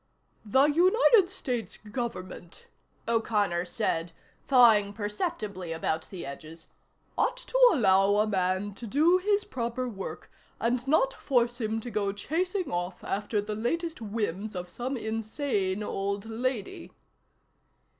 "The United States Government," O'Connor said, thawing perceptibly about the edges, "ought to allow a man to do his proper work, and not force him to go chasing off after the latest whims of some insane old lady."